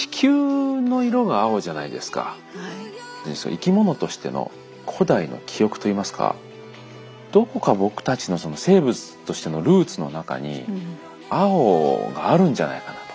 生き物としての古代の記憶といいますかどこか僕たちの生物としてのルーツの中に青があるんじゃないかなと思って。